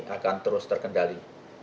akan terus terkendali